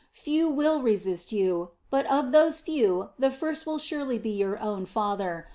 Few will resist you, but of those few the first will surely be your own father.